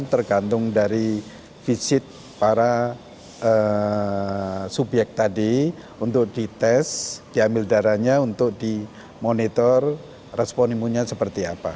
tergantung dari visit para subyek tadi untuk dites diambil darahnya untuk dimonitor respon imunnya seperti apa